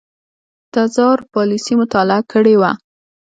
تزار پالیسي مطالعه کړې وه.